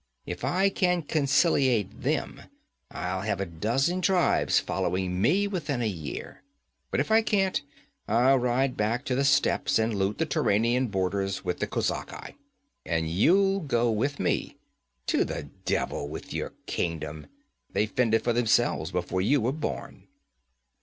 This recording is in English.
If I can conciliate them, I'll have a dozen tribes following me within a year. But if I can't I'll ride back to the steppes and loot the Turanian borders with the kozaki. And you'll go with me. To the devil with your kingdom; they fended for themselves before you were born.'